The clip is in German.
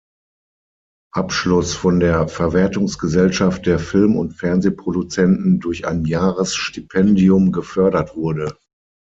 Abschluss von der Verwertungsgesellschaft der Film- und Fernsehproduzenten durch ein Jahresstipendium gefördert wurde.